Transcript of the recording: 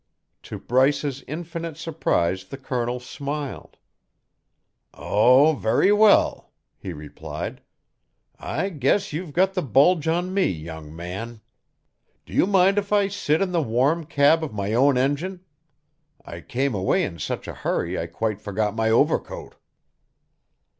To Bryce's infinite surprise the Colonel smiled. "Oh, very well!" he replied. "I guess you've got the bulge on me, young man. Do you mind if I sit in the warm cab of my own engine? I came away in such a hurry I quite forgot my overcoat."